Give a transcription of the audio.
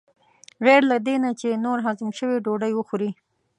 غیر له دې نه چې نور هضم شوي ډوډۍ وخورې.